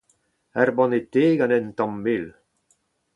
Ur banne te gant un tamm mel.